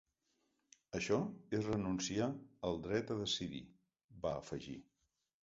Això és renunciar al dret de decidir, va afegir.